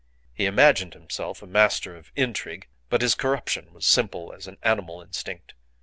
He imagined himself a master of intrigue, but his corruption was as simple as an animal instinct.